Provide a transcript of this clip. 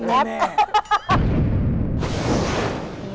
แอบแน่